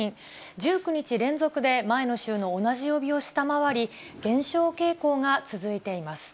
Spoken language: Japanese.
１９日連続で前の週の同じ曜日を下回り、減少傾向が続いています。